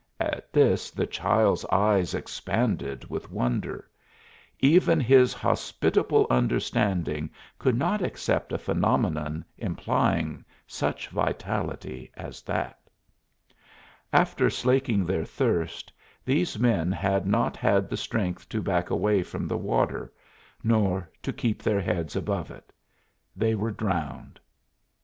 At this the child's eyes expanded with wonder; even his hospitable understanding could not accept a phenomenon implying such vitality as that. After slaking their thirst these men had not had the strength to back away from the water, nor to keep their heads above it. They were drowned.